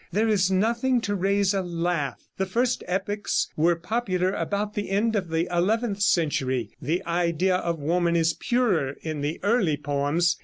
There is nothing to raise a laugh. The first epics were popular about the end of the eleventh century. The idea of woman is purer in the early poems.